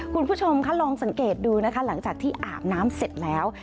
คุณผู้ชมคะลองสังเกตดูนะคะหลังจากที่อาบน้ำเสร็จแล้ว